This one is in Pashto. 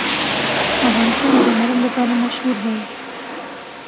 افغانستان د زمرد لپاره مشهور دی.